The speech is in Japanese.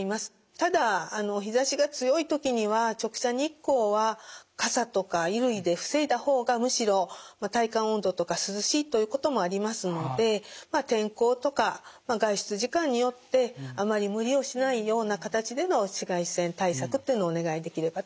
ただ日ざしが強い時には直射日光は傘とか衣類で防いだ方がむしろ体感温度とか涼しいということもありますので天候とか外出時間によってあまり無理をしないような形での紫外線対策っていうのをお願いできればと思います。